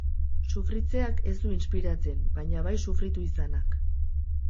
Sufritzeak ez du inspiratzen, baina bai sufritu izanak.